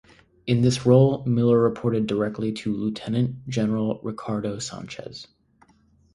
In this role, Miller reported directly to Lieutenant General Ricardo Sanchez.